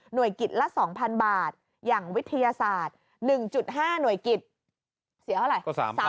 กิจละ๒๐๐๐บาทอย่างวิทยาศาสตร์๑๕หน่วยกิจเสียเท่าไหร่